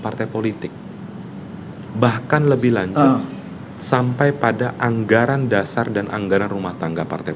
partai politik bahkan lebih lanjut sampai pada anggaran dasar dan anggaran rumah tangga partai